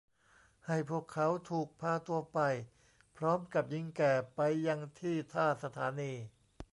ให้พวกเขาถูกพาตัวไปพร้อมกับหญิงแก่ไปยังที่ท่าสถานี